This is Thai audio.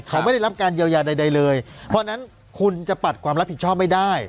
เขาไม่ได้รับการเยียวยาใดเลยเพราะฉะนั้นคุณจะปัดความรับผิดชอบไม่ได้